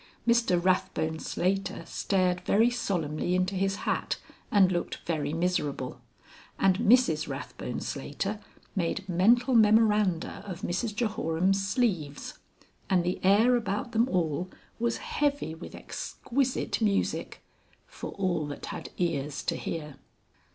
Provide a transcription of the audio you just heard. Mr Rathbone Slater stared very solemnly into his hat and looked very miserable, and Mrs Rathbone Slater made mental memoranda of Mrs Jehoram's sleeves. And the air about them all was heavy with exquisite music for all that had ears to hear.